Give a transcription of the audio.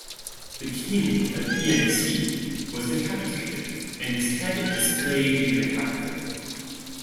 The king of Yanqi was decapitated and his head displayed in the capital.